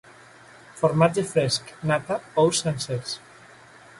formatge fresc, nata, ous sencers